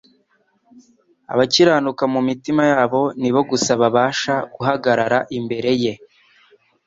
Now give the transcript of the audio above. Abakiranuka mu mitima yabo nibo gusa babasha guhagarara imbere Ye